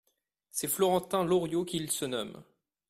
C'est Florentin Loriot qu'il se nomme.